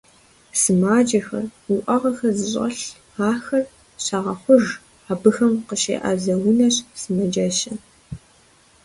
Сымаджэхэр, уӀэгъэхэр зыщӀэлъ, ахэр щагъэхъуж, абыхэм къыщеӀэзэ унэщ сымаджэщыр.